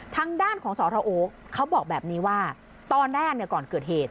ทางด้านของสทโอ๊คเขาบอกแบบนี้ว่าตอนแรกก่อนเกิดเหตุ